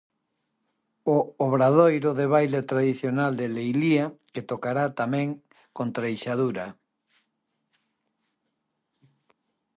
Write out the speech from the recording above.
O obradoiro de baile tradicional de Leilía, que tocará tamén con Treixadura.